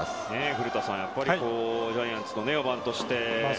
古田さん、やっぱりジャイアンツの４番として。